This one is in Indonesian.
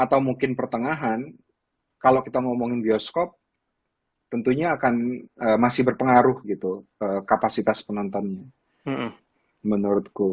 atau mungkin pertengahan kalau kita ngomongin bioskop tentunya akan masih berpengaruh gitu kapasitas penontonnya menurutku